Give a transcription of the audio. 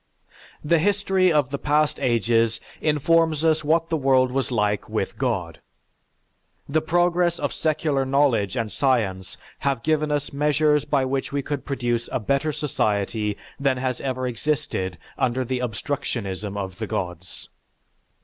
The history of the past ages informs us what the world was like with God. The progress of secular knowledge and science have given us measures by which we could produce a better society than has ever existed under the obstructionism of the Gods.